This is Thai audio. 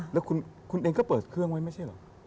แล้วคุณเองก็เปิดเครื่องไว้ไม่ใช่เหรอ